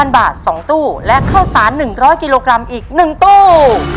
๐บาท๒ตู้และข้าวสาร๑๐๐กิโลกรัมอีก๑ตู้